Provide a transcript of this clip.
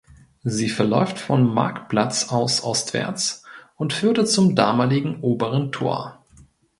Sie verläuft vom "Marktplatz" aus ostwärts und führte zum damaligen "Oberen Tor".